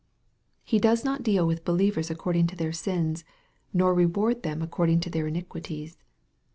He does not deal with be lievers according to their sins, nor reward them accord ing to their iniquities.